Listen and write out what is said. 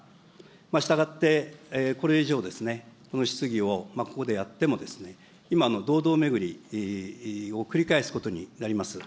したがって、これ以上この質疑をここでやっても今のどうどうめぐりを繰り返すことになります。